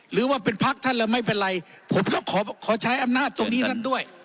หรือว่าเป็นพักท่านแล้วไม่เป็นไรผมต้องขอใช้อำนาจตรงนี้ท่านด้วย